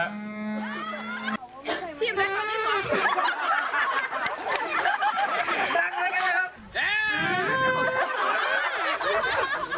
ดังเลยนะครับ